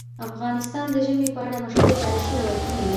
افغانستان د ژمی په اړه مشهور تاریخی روایتونه لري.